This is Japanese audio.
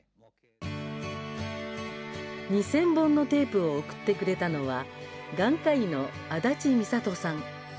２０００本のテープを送ってくれたのは眼科医の安達京さん。